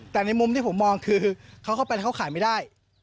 แต่ในมุมที่ผมมองคือเขาเข้าไปแล้วเขาขายไม่ได้